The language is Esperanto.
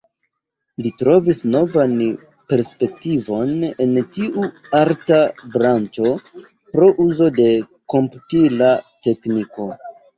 Li trovis novan perspektivon en tiu arta branĉo pro uzo de komputila tekniko.